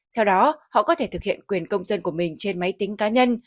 theo đó họ có thể thực hiện quyền công dân của mình trên máy tính cá nhân